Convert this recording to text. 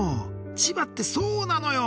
千葉ってそうなのよ。